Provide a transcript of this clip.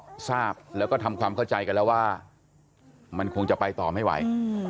ก็ทราบแล้วก็ทำความเข้าใจกันแล้วว่ามันคงจะไปต่อไม่ไหว